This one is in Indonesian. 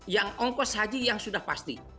yang ongkos haji yang sudah pasti